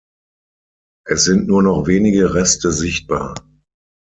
Es sind nur noch wenige Reste sichtbar.